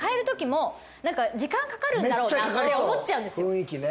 雰囲気ね。